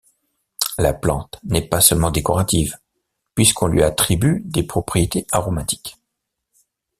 La plante n'est pas seulement décorative, puisqu'on lui attribue des propriétés aromatiques.